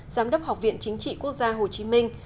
giám đốc học viện chính trị quốc gia hồ chí minh